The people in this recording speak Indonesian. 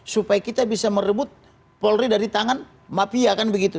supaya kita bisa merebut polri dari tangan mafia kan begitu